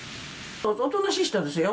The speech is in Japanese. おとなしい人ですよ。